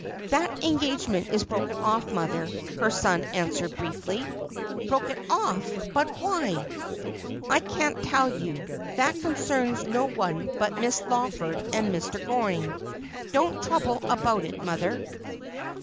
' That engagement is broken off, mother,' her son answered briefly. ' Broken off ! But why ?' 'I can't tell you. That concerns no one but Miss Lawford and Mr. Goring. Don't trouble about it, mother.'